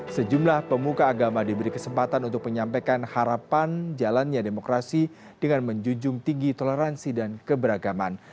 sejumlah pemuka agama diberi kesempatan untuk menyampaikan harapan jalannya demokrasi dengan menjunjung tinggi toleransi dan keberagaman